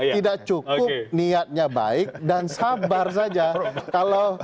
tidak cukup niatnya baik dan sabar saja